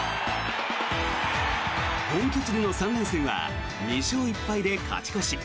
本拠地での３連戦は２勝１敗で勝ち越し。